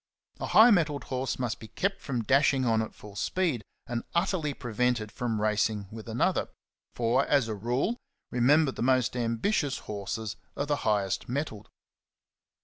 A high mettled horse must be kept from dashing on at full speed, and utterly prevented from racing with another; for, as a rule, remember, the most ambitious horses are the highest mettled.